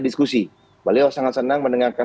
diskusi beliau sangat senang mendengarkan